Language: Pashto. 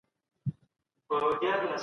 د ځنګلونو ساتنه د راتلونکي نسل حق دی.